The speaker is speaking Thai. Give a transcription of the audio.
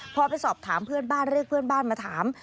พอไปสอบถามเพื่อนบ้านเรียกเพื่อนบ้านมาถาม